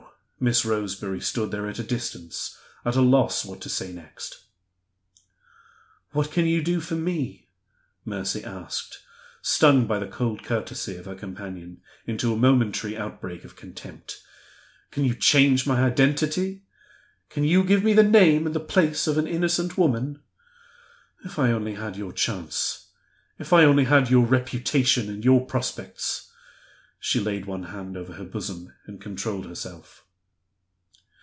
Miss Roseberry stood there at a distance, at a loss what to say next. "What can you do for me?" Mercy asked, stung by the cold courtesy of her companion into a momentary outbreak of contempt. "Can you change my identity? Can you give me the name and the place of an innocent woman? If I only had your chance! If I only had your reputation and your prospects!" She laid one hand over her bosom, and controlled herself.